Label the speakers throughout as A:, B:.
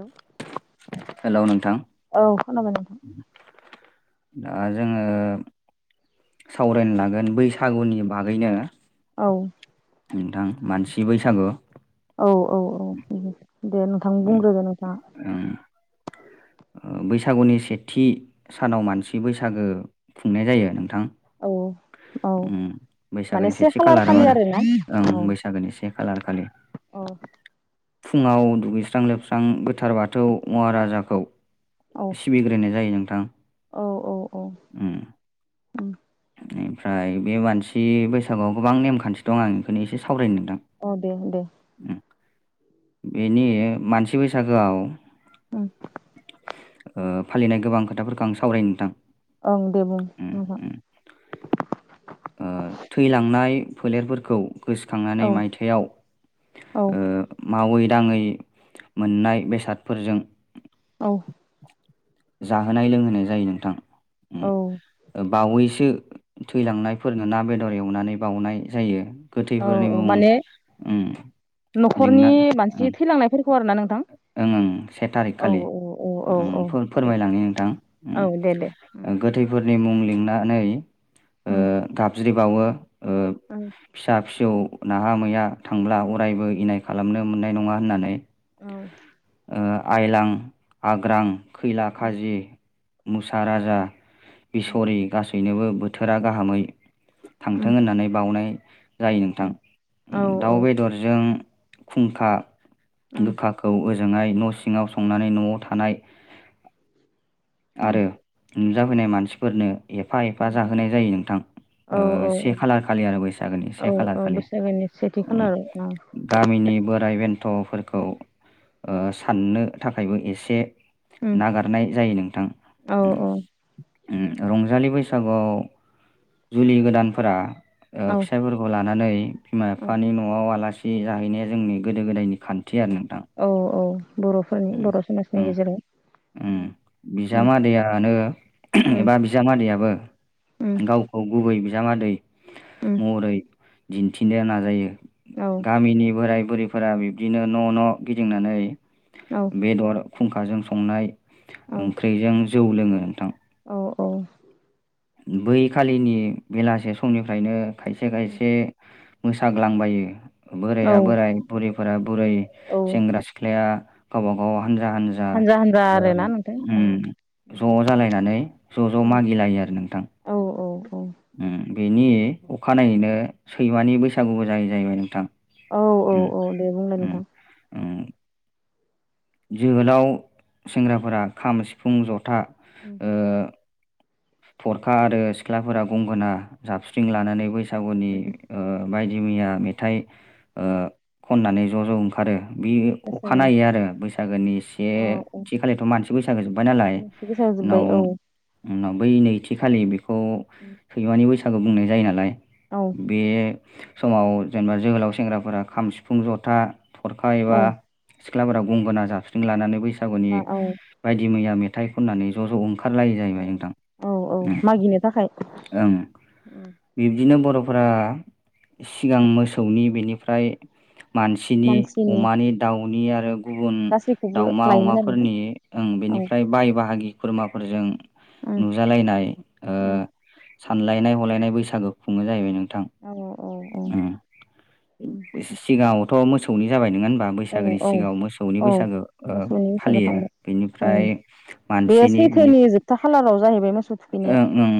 A: औ।
B: हेलौ नोंथां।
A: खोनाबाय नोंथां
B: दा जोङो सावरायनो लागोन बै फागुनि बागैनो
A: औ
B: नोंथां मानसि बैसागु
A: औ औ औ दे नोंथां बुंग्रोदो नोंथाङा।
B: ओं बैसागुनि सेथि सानाव मानसि बैसागो खुंनाय जायो नोंथां।
A: औ। औ
B: उम
A: माने
B: बैसागोनि
A: से
B: सेथि
A: खालार
B: खालाराव
A: खालि आरो ना
B: ओं
A: औ
B: बैसागोनि से खालार खालि
A: औ
B: फुङाव दुगैस्रां लोबस्रां गोथार बाथौ महाराजाखौ
A: औ
B: सिबिग्रोनाय जायो नोंथां।
A: औ औ।
B: [unintelligible] बेनिफ्राय बे मानसि बैसागुआव गोबां नेमखान्थि दं आं बेखौनो एसे सावरायनो नोंथां
A: औ दे दे
B: उम बेनि मानसि बैसागोआव फालिनाय गोबां खोथाफोरखौ आं सावरायक् नोंथां।
A: ओं दे बुं
B: उम
A: नोंथां
B: उम थैलांनाय फोलेरफोरखौ गोसोखांनानै
A: औ
B: मायथायाव
A: औ
B: मावै दाङै मोननाय बेसादफोरजों
A: औ।
B: जाहोनाय लोंहोनाय जायो
A: औ
B: नोंथां बावैसो थैलांनायफोरनो ना बेदर एवनानै बाउनाय जायो।
A: औ
B: गोथैफोरनि
A: औ
B: मुं
A: माने
B: ओं लिंना
A: खर ना नोंथां?
B: ओं ओं से थारिख
A: औ
B: खालि
A: औ औ औ दे
B: फोरमायलाङो
A: औ दे दे उम
B: नोंथां गोथैफोर नि मुं लिंनानै
A: उम
B: गाबज्रिबावो
A: औ
B: फिसा फिसौ नाहा मैया थांब्ला अरायबो इनाय खालामनो मोननाय नङा होननानै
A: औ
B: आइलां आग्रां खैला
A: उम
B: खाजि मुसा राजा बिसरि गासैनोबो बोथोरा गाहामै
A: उम
B: थांथों होननानै बावनाय जायो नोंथां
A: उम
B: उम
A: औ औ
B: दाउ बेदरजों खुंखा
A: उम
B: गोखाखौ जोंहाय न' सिङाव संनानै न'आव थानाय आरो नुजाफैनाय मानसिफोरनो एफा एफा
A: उम
B: जाहोनाय जायो नोंथां।
A: औ
B: से
A: औ
B: खालार खालि आरो बैसागोनि
A: औ
B: से खालार
A: औ
B: खालि
A: बैसागोनि सेथि खालाराव औ
B: गामिनि बोराय बेन गथ'फोरखौ साननो थाखायबो एसे
A: उम
B: नागारनाय जायो नोंथां।
A: औ
B: रंजालि बैसागुआव जुलि गोदानफोरा
A: औ
B: फिसाइफोरखौ लानानै थानानै बिमा बिफानि न'आव आलासि जाहैनाया जोंनि गोदो गोदायनि खान्थि आरो नोंथां
A: औ औ बर'फोरनि
B: उम
A: बर'
B: उम
A: समाजनि गेजेराव उम उम
B: बिजामादैयानो
A: उम
B: एबा बिजामादैयाबो
A: उम
B: गावखौ गुबै बिजामादै
A: उम
B: महरै दिन्थिनो नाजायो
A: औ
B: गामिनि बोराय बुरैफोरा बिब्दिनो न' न' गिदिंनानै
A: औ
B: बेदर खुंखाजों संनाय ओंख्रिजों जौ लोङो नोंथां
A: औ औ
B: बै खालिनि बेलासे समनिफ्रायनो खायसे खायसे मोसाग्लांबायो
A: औ
B: बोराया बोराय बुरैफोरा बुरै
A: औ
B: सेंग्रा सिख्लाया गावब गाव हानजा हानजा
A: हानजा आरोना नोंथां औ
B: ज' जालायनानै ज' ज'
A: उम
B: मागिलायो आरो नोंथां
A: औ औ औ
B: उम बेनि अखानायैनो सैमानि बैसागुबो जायो जाहैबाय नोंथां
A: औ औ
B: उम
A: औ दे बुंलाय
B: उम
A: नोंथां
B: उम जोहोलाव सेंग्राफोरा खाम सिफुं जथा
A: उम
B: ओ थरखा आरो सिख्लाफोरा गंगोना जाबस्रिं
A: उम
B: लानानै बैसागुनि
A: उम
B: ओ बायदि मैया मेथाइ खननानै ओ ज' ज' ओंखारो बे
A: मोसायो
B: अखाानायनायै आरो बैसाग गोनि
A: औ औ
B: सेथि खालिथ' मानसि बैसागो जोब्बाय नालाय
A: गोसाजोब्बाय
B: उनाव
A: औ
B: उनाव बै नैथि खालि बेखौ सैमानि बैसागु बुंनाय जायो नालाय
A: औ
B: बे समाव जेनेबा जोहोलाव सेंग्राफोरा खाम सिफुं जथा थरखा एबा
A: औ
B: सिख्लाफोरा गंगोना जाबस्रिं लानानै बैसागुनि
A: औ
B: बायदि मैया मेथाइ थाइ खननानै ज' ज' ओं खारलायो जाहैबाय नोंथां
A: औ औ मागिनो थाखाय
B: ओं बिब्दिनो बर' फोरा सिगां मोसौनि बेनिफ्राय मानसिनि अमानि दाउनि आरो गुबुन
A: गासैखौबो
B: दाउमा
A: लायोमोन आरोना
B: अमाफोरनि ओ
A: औ
B: बेनिफ्राय बाय बाहागि खुरमाफोरजों नुजालायनाय ओ सानलायनाय हलायनाय बैसागु खुङो जाहैबाय नों
A: औ
B: सिगाङावथ' मोसौनि जाबाय नङा
A: औ
B: बैसागोनि
A: औ
B: सिगाङाव मोसौनि
A: औ
B: बैसागो
A: मोसौनि बैसागो
B: फालियो
A: थांबाय
B: बिनिफ्राय मानसिनि बिनि
A: सैत्रनि जोबथा खालाराव जाहैबाय मोसौ थुखैनाया
B: ओं ओं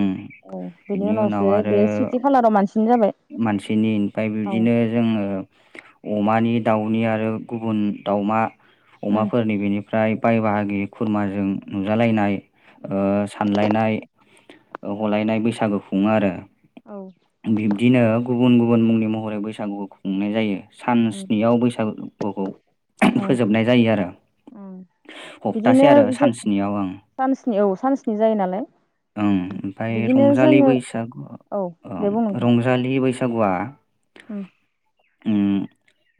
A: औ बेनि
B: बिनि
A: उनावसो बे सिथि खालाराव मानसिनि जाबाय
B: मानसिनि ओमफ्राय
A: औ
B: बिदिनो जोङो अमानि दाउनि आरो गुबुन दाउमा
A: उम
B: अमाफोरनि बेनि फओमफ्राय बाय बाहागि खुरमाजों नुजालायनाय
A: उम
B: ओ सानलायनाय हलायनाय बैसागु खुङो आरो
A: औ
B: बिब्दिनो गुबुन गुबुन मुंनि महरै बैसागुखौ खुंनाय जायो सान
A: उम
B: स्नियाव बैसागुखौ
A: औ
B: फोजोबनाय जायो आरो
A: उम बिदिनो
B: हप्तासे आरो
A: ज
B: सान स्नियाव ओं
A: सानसनि औ सानसिनि जायो नालाय
B: ओं ओमफ्राय
A: बिदिनो
B: रंजालि
A: जोङो
B: बैसागु
A: औ दे
B: ओं
A: बुं नोंथां
B: रंजालि बैसागुआ
A: उम
B: उम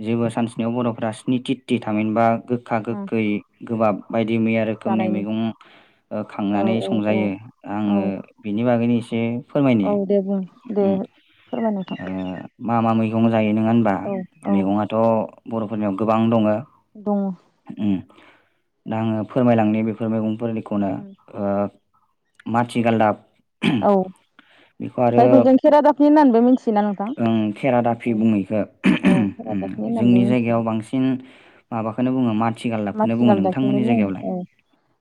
B: जेबो सानसनायाव बर'फोरा स्नि तीटि थामिनबा गोखा
A: उम
B: गोखै गोबाब बायदि मैया रोखोमनि
A: जानायनि
B: मैगं
A: औ
B: खांनानै
A: औ औ
B: संजायो
A: औ
B: आङो बिनि बागैनो एसे फोरमायनि
A: औ दे बुं दे
B: उम
A: फोरमाय नोंथां
B: ओ मा मा मै जायो नोङा होनबा
A: औ औ
B: मैगङाथ' बर'फोरनियाव गोबां दङ
A: दङ
B: उम दा आङो फोरमायलांनि बेफोर मैगंफोरनिखौनो
A: उम
B: ओ मथि गालदाब
A: औ जायखौ जों खेरादाबनि होननानैबो मिथि
B: ओं खेरा दाफि बुङो एखो
A: औ
B: हम उम
A: खेरादाफिनि होननानैबो
B: जोंनि
A: मिथियो
B: जायगायाव बांसिन माबाखोनो बुङो मास
A: मथि गालदाबखौनो बुङो औ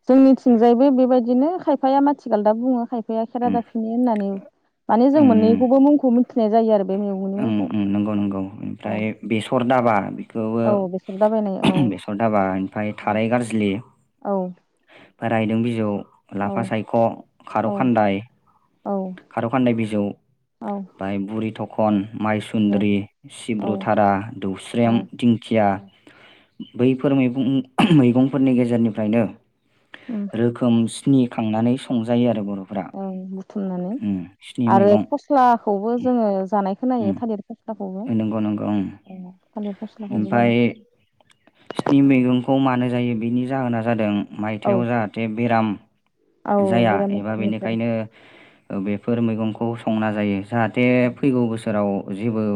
A: जोंनिथिंजायबो बे बायदिनो खायफाया माथि गालदाब बुङो खायफाया खेरा
B: उम
A: दाफिनि होननानै माने जों
B: उम
A: मोननैखौबो मुं खौ मिन्थिनाय जायो आरो। बे मैगंनि
B: ओं
A: मुंखौ
B: उम नोंगौ नोंगौ
A: औ
B: ओमफ्राय बेसर दाबा
A: औ बेसर दाबायनाय
B: बिखोबो
A: औ
B: बेसर दाबा इनफाय थाराय गारज्लि
A: औ
B: फाय रायदों बिजौ।
A: औ
B: लाफा सायख' खार'
A: औ
B: खान्दाय
A: औ
B: खारौ खान्दाय बिजौ। फाय बुरि थखन
A: औ
B: माइसुन्द्रि,
A: औ
B: सिब्रुथारा,
A: औ
B: दौस्रेम, दिंखिया बैफोर मैगं मैगंफोरनि गेजेरनिफ्रायनो
A: उम
B: रोखोमस खिनि खांनानै संजायो आरो बर'
A: औ बुथुमनानै आरो
B: मैगं
A: फस्लाखौबो जोङो जानाय खोनायो थालेर फस्ला।
B: नोंगौ नोंगौ ओं।
A: फस्लाखौबो
B: ओमफाय
A: जानाय खोनायो
B: स्नि मैगंखौ मानो जायो बिनि जाहोना जादों
A: औ
B: मायथायाव जाहाथे बेराम
A: औ
B: जाया
A: बेराम
B: एबा
A: आजारनिफ्राय
B: बेनिखायनो ओ बेफोर मैगंखौ संना जायो। जाहाथे फैगौ बोसोराव जेबो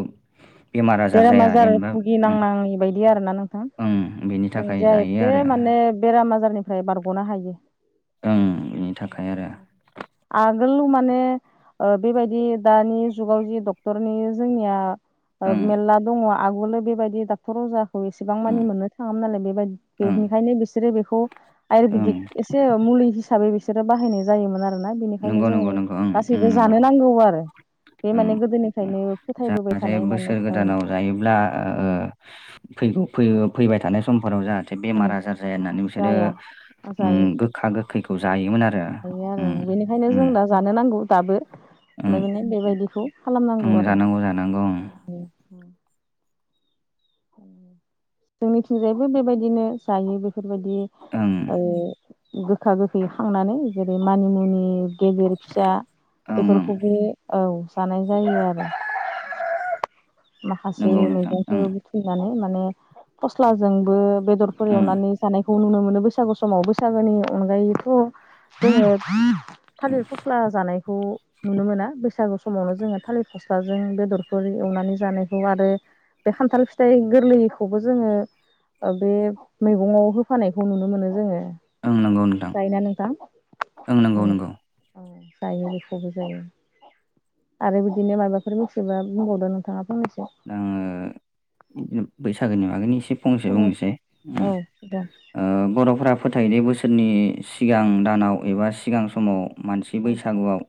B: बेमार आजार
A: बेराम
B: जाया जेनेबा उम
A: भुगिनांनाङि बायदि [unintelligible] जों
B: जायो
A: जाहैथे
B: आरो
A: माने बेराम आजार निफ्राय बारग'नो हायो।
B: ओं बेनि थाखाय आरो
A: आम गोल माने ओ बेबायदि दानि जुगाव जि डक्टरनि जोंनिया ओ
B: ओं
A: मेरला दङ आगुलो बेबायदि डाक्टर अजा खौ एसेबां
B: ओं
A: मानि मोननो थाङामोन नालाय बेबाद
B: ओं
A: बेनिखायनो बिसोरो बेखौ
B: ओं
A: आयुरबिदिक एसे मु मुलि हिसाबै बिसोरो बाहायनाय जायोमोन आरोना बिनिखायनो
B: नंगौ
A: जोङो
B: नंगौ नंगौ ओं ओं
A: गासैबो
B: नंगौ
A: जानो नांगौ आरो। बे
B: ओं
A: माने गोदोनिफ्रायनो फोथायबोबाय थानाय माने ओ
B: दानाव जायोब्ला ओ फैगौ-फै-फैबाय थानाय समफोराव जा थो
A: ओं
B: बेमार आजार जाया होननानै बिसोरो
A: जाया
B: उम
A: जायो
B: गोखा गोखैखौ जायोमोन आरो
A: जायो आरो
B: ओम
A: ओं। बिनिखायनो जों
B: ओम
A: दा जानो नांगौ दाबो नो
B: ओम
A: मखने बेबायदिखौ खालामनांगौ
B: ओं
A: आरो।
B: जानांगौ जानांगौ ओं
A: जोंनिथिंजायबो बेबायदिनो जायो बेफोर बेबायदि
B: ओं
A: ओ गोखा गोखै खांनानै जेरै मानिमुनि गेजेर फिसा
B: ओं ओं
A: बेफोरखौबो औ जानाय जायो आरो। माखासे
B: नंगौ नोंथां ओं
A: मैगंफोर बुथुमनानै माने फस्लाजोंबो बेदरफोर
B: ओं
A: एवनानै जानाय खौ नुनो मोनो बैसागु समाव बैसागोनि अनगायैथ' जोङो थालिर फस्ला जानायखौ नुनो मोना। बैसागु समावनो जोङा थालिर फस्लाजों बेदरफोर एवनानै जानायखौ आरो बे खान्थाल फिथाइ गोरलैखौबो जोङो ओ बे मैगंआव होफानायखौ नुनो मोनो जोङो।
B: ओं नंगौ नोंथां
A: जायोना नोंथां?
B: ओं नंगौ नंगौ
A: जायो बेखौबो जायो आरो बिदिनो माबाफोर मिथियोबा बुंबावदों नोंथाङा फंनैस
B: दा आङो इदिनो बैसागोनि बागैनो एसे से फंसे
A: औ
B: बुंसै ओ
A: दे
B: ओ बर'फ्रा फोथायदे बोसोरनि सिगां दानाव एबा सिगां समाव मानसि
A: औ
B: बैसागुआव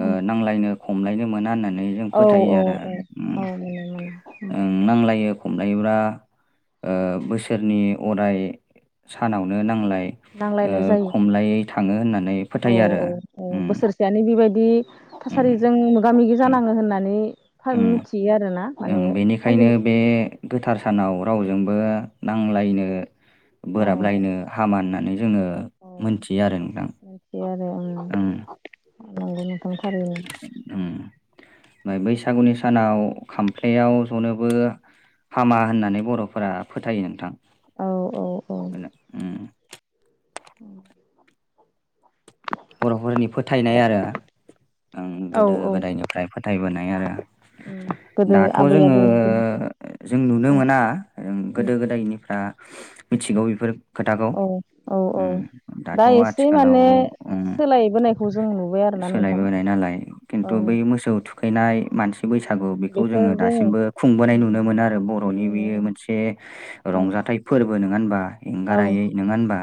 B: ओ नांलायनो खमलायनो मोना होननान
A: औ औ औ औ [unintelligible]
B: ओं नांलायो हमनानै ला ओ बोसोरनि अराय सानावनो नांलाय इ ओ
A: नांलायनाय जायो
B: खमलायै थाङो होननान
A: औ औ औ बोसोरसेयानो बेबायदि बि
B: उम
A: थासारिजों मोगा मोगि
B: उम
A: जानाङो होननानै
B: उम
A: मिथियो आरो ना
B: ओं
A: माने
B: बेनिखायनो
A: फालि
B: बे गोथार सानाव रावजोंबो नांजल्लायनो
A: औ
B: बोराबलायनो हामा होननानै जोङो
A: औ
B: मोनथियो आरो नोंथां।
A: मिथियो आरो आ
B: ओं
A: नंगौ ओंखाम थारैनो।
B: ओं ओमफ्राय बैसागुनि भु सानाव खामफ्लायाव जनोबो हामा होननानै बर'फोरा फोथायो नोंथां।
A: औ औ औ
B: उम
A: औ
B: बर'फोरनि फोथायनाय आरों
A: औ
B: गोदो
A: औ
B: गोदायनिफ्राय फोथायबोनाय आरो।
A: [inaudible]
B: दाथ'
A: आबै
B: जोङो
A: आबौनि दिननिफ्राय
B: जों नुनो मोना गोदो गोदायनिफ्रा मिथिगौ बेफोर खोथाखौ
A: औ औ औ
B: उम
A: दा
B: दाथ'
A: एसे
B: आथिखालाव
A: माने सोलायबोनायखौ जों नुबाय आरोना नोंथां
B: सोलायबोनाय नालाय खिन्थु
A: ओं
B: बै मोसौ थुखैनाय मानसि बैसागु बेखौ जोङो दासिमबो खुंबोनाय नुनो मोनो आरो बर'नि
A: मोनो
B: बेयो मोनसे
A: औ
B: रंजानाय हाथायाइ फोरबो ङा होनबा
A: औ
B: एंगारायै नङा होनबा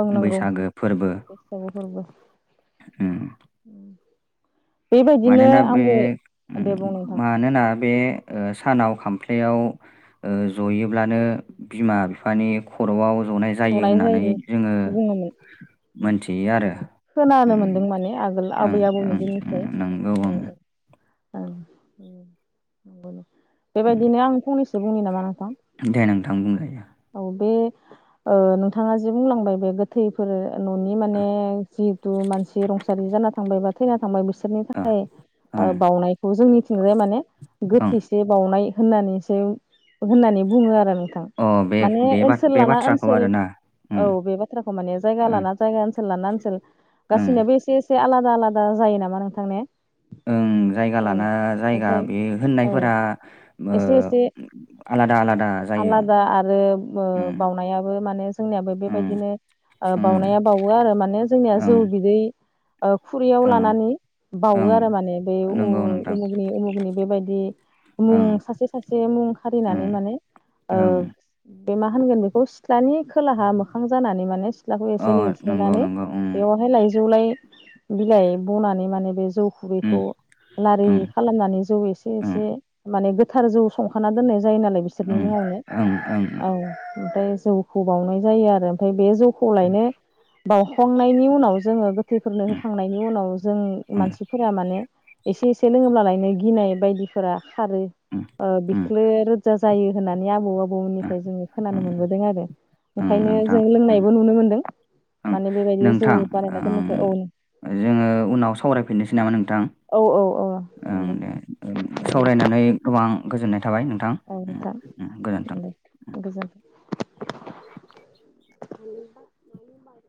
A: ओं नंगौ
B: बैसागो फोरबो।
A: बैसागु फोरबो
B: उम
A: [inaudible] बेबायदिनो
B: मानोना बे
A: आंबो दे बुं नोंथां
B: मानोना बे ओ सानाव खामफ्लयाव ओ जयोब्लानो बिमा बिफानि खर'आव रज'नाय जायो होननानै जोङो
A: बुङोमोन
B: मोनथियो आरो
A: आं खोनानो
B: उम
A: मोनदों माने आगोल
B: ओं
A: आबै आबौनि दिननिफ्राय
B: ओं नंगौ उम उम
A: बेबायदिनो आं फंनैसो बुंनि नामा? नोंथां
B: दे नोंथां बुंजायो।
A: औ बे ओ नोंथाङा जे बुंलांबाय बे गोथैफोर ओ न'नि माने जिहेतु मानसि रुंसारि जाना थांबाय बा थैना थांबाय बि बिसोरनि
B: ओ
A: थाखाय
B: ओं
A: ओ बावनायखौ जोंनिथिंजाय माने
B: ओं
A: गोथैसे बावनाय होननानैसो होननानै बुङो आरो।
B: अ बे
A: ओ
B: बे बा
A: ओनसोल
B: बे
A: लाना
B: बाथ्राखौ
A: ओनसोल
B: आरोना उम
A: औ बे बाथ्राखौ माने जायगा
B: उम
A: लाना जायगा ओनसोल लाना ओनसोल
B: उम
A: गाससिनोाबो एसे एसे आलादा आलादा जायो नामा नोंथां ने?
B: ओं जायगा
A: औ
B: लाना जायगा
A: ओमफ्राय
B: बे
A: औ
B: होननायफोरा
A: एसे एसे
B: आलादा आलादा। जायो।
A: आलादा आरो
B: उम
A: बावनायाबो माने जोंनियाबो
B: उम
A: बेबायदिनो
B: उम
A: बावउनाया बावो आरो माने जोंनिया जौ
B: ओं
A: बिदै खुरैयाव
B: ओं
A: लानानै बावो
B: ओं
A: आरो माने बे
B: नंगौ नोंथां
A: उमुगनि उमुगनि बेबायदि मुं
B: ओं
A: सासे सासे मुं
B: उम
A: खारिनानै माने
B: ओं
A: बे मा होनगोन बेखौ? सिथ्लानि खोलाहा मोखां जानानै माने सिथ्लाखौ
B: अ
A: एसे
B: नंगौ
A: लिरस्रोनानै
B: नंगौ उम
A: बेवहाय लाइजौ लाय बिलाइ बनानै माने बे जौ
B: उम
A: खुरैखौ लारि
B: उम
A: खालामनानै जौ एसे
B: उम
A: एसे माने गोथ गोथार जौ संखाना दोननाय जायो नालाय बिसोरनि
B: उम
A: मुङावनो
B: ओं उम उम
A: औ ओमफ्राय जौखौ बावउनाय जायो आरो ओमफ्राय बे जौखौ
B: उम
A: लायनो बाउखांनायनि उनाव जोङो थैफोरनो होखांनायनि उनाव जों
B: उम
A: मानसिफोरा माने एसे एसे लोङोब्ला लायनो गिनाय बायदिफोरा खारो ओ
B: उम
A: बिखलो रोजा जायो। होननानै आबौ आबौ नाथाय जोो खोनानो
B: उम
A: मोनबोदों आरो
B: ओं
A: ओंखायनो
B: नोंथां
A: जों
B: उम
A: लोंनायबो नुनो मोन्दों।
B: ओं नोंथां ओ
A: दोननायखाय औ
B: जोङो उनाव सावरायफिननोसै नामा नोंथां?
A: औ औ औ
B: ओं दे
A: नंगौ।
B: सावरायनानै गोबां गोजोननाय थाबाय नोंथां
A: औ
B: उम
A: नोंथां
B: उम गोजोन्थों।
A: गोजोनथों। [inaudible]